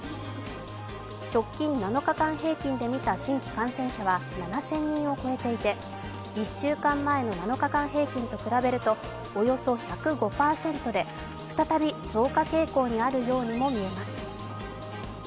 直近７日間平均で見た新規感染者は７０００人を超えていて１週間前の７日間平均と比べるとおよそ１０５％で再び増加傾向にあるようにも見えます。